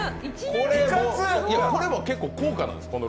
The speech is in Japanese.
これも結構高価なんです。